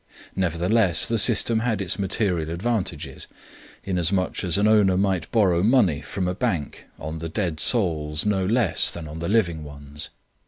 Nevertheless, the system had its material advantages, inasmuch as an owner might borrow money from a bank on the "dead souls" no less than on the living ones.